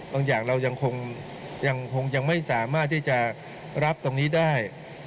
อย่างเรายังคงยังไม่สามารถที่จะรับตรงนี้ได้